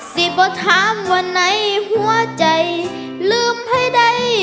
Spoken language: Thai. บ่ถามวันไหนหัวใจลืมให้ได้